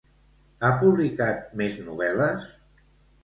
Ha publicat més novel·les?